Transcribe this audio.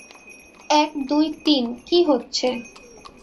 এক, দুই, তিন, কি হচ্ছে?